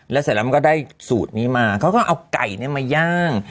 แล้วเสร็จแล้วมันก็ได้สูตรนี้มาเขาก็เอาไก่มาย่าง